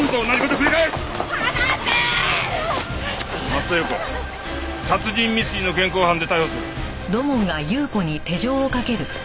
増田裕子殺人未遂の現行犯で逮捕する。